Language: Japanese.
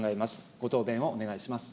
ご答弁をお願いします。